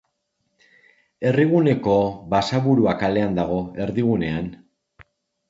Herriguneko Basaburua Kalean dago, erdigunean.